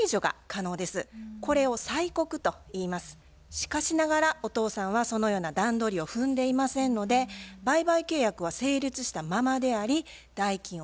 しかしながらお父さんはそのような段取りを踏んでいませんので売買契約は成立したままであり代金を支払う義務があると考えます。